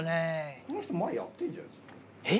この人、前やってんじゃないえっ？